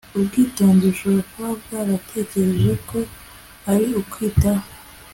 Ubwitonzi bushobora kuba bwaratekereje ko ari ukwitaho